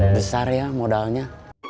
besar ya modalnya